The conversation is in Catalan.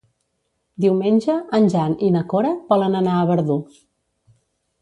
Diumenge en Jan i na Cora volen anar a Verdú.